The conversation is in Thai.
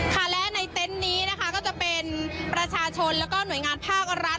ค่ะและในเต็นต์นี้นะคะก็จะเป็นประชาชนแล้วก็หน่วยงานภาครัฐ